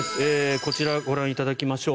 こちらご覧いただきましょう。